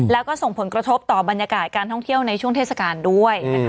แล้วก็ส่งผลกระทบต่อบรรยากาศการท่องเที่ยวในช่วงเทศกาลด้วยนะคะ